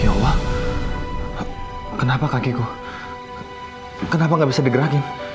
ya allah kenapa kakiku kenapa gak bisa digerakin